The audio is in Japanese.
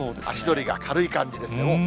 足取りが軽い感じですね。